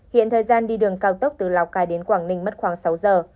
hiện thời gian đi đường cao tốc từ lào cai đến quảng ninh mất khoảng sáu giờ